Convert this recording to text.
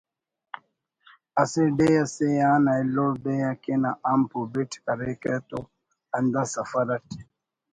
اسہ ڈیہہ اسے آن ایلو ڈیہہ اکن امپ و بِٹ کریکہ تو ہندا سفر اٹ